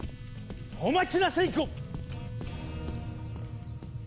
お待ちなさい！